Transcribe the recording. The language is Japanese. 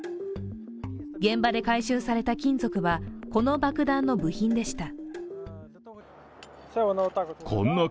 現場で回収された金属はこの爆弾の部品でした。